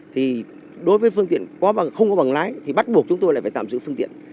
thì đối với phương tiện không có bằng lái thì bắt buộc chúng tôi lại phải tạm giữ phương tiện